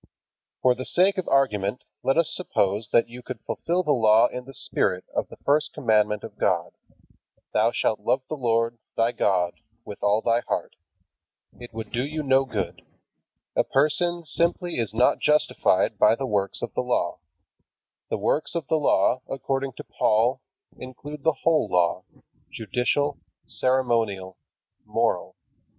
For the sake of argument let us suppose that you could fulfill the Law in the spirit of the first commandment of God: "Thou shalt love the Lord, thy God, with all thy heart." It would do you no good. A person simply is not justified by the works of the Law. The works of the Law, according to Paul, include the whole Law, judicial, ceremonial, moral.